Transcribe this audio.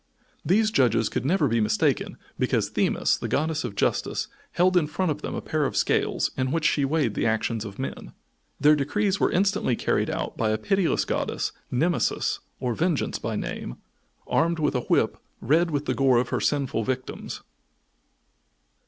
These judges could never be mistaken because Themis, the Goddess of Justice, held in front of them a pair of scales in which she weighed the actions of men. Their decrees were instantly carried out by a pitiless goddess, Nemesis, or Vengeance by name, armed with a whip red with the gore of her sinful victims.